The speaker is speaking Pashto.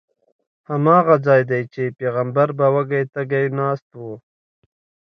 هماغه ځای دی چې پیغمبر به وږی تږی ناست و.